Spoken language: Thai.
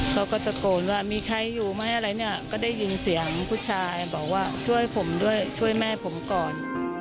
เขาก็ตะโกนว่ามีใครอยู่ไหมอะไรเนี่ยก็ได้ยินเสียงผู้ชายบอกว่าช่วยผมด้วยช่วยแม่ผมก่อน